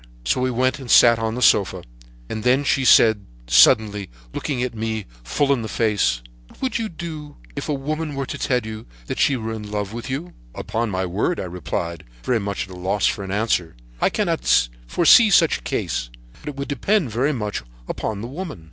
"So we went and sat on the sofa, and then she said suddenly, looking me full in the face: "'What would you do if a woman were to tell you that she was in love with you?' "'Upon my word,' I replied, very much at a loss for an answer, 'I cannot foresee such a case; but it would depend very much upon the woman.'